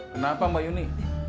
kenapa mbak yuni